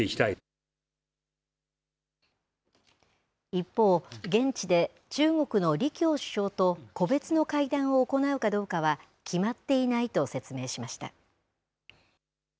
一方、現地で中国の李強首相と、個別の会談を行うかどうかは決まっていないと説明しました。